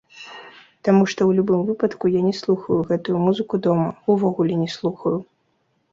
Таму што ў любым выпадку я не слухаю гэтую музыку дома, увогуле не слухаю.